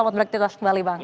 terima kasih bang